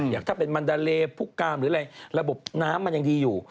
อย่างถ้าเป็นมันดาเลพุกกามหรืออะไรระบบน้ำมันยังดีอยู่